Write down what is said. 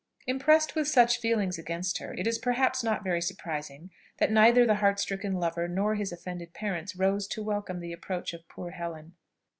Impressed with such feelings against her, it is perhaps not very surprising, that neither the heart stricken lover, nor his offended parents, rose to welcome the approach of poor Helen.